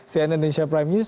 saya anand indonesia prime news